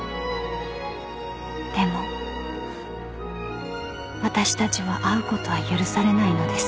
［でも私たちは会うことは許されないのです］